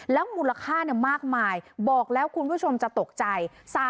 แล้วมูลค่ามากมายบอกแล้วคุณผู้ชมจะตกใจ